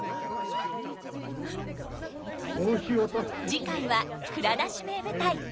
次回は「蔵出し！名舞台」。